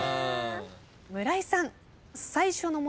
村井さん。